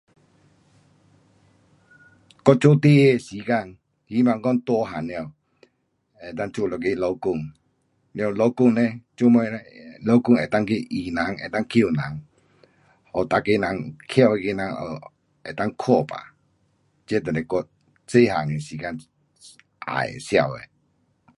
我做小的时候我希望大个时可以做一个医生。了医生呢，医生能够去医人能够救人。给每个人回去能够看病。这就是我小个的时间要的，想的。